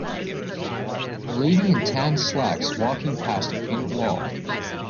Lady in tan slacks walking past a painted wall.